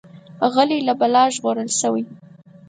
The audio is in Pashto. غلی، له بلا ژغورل شوی.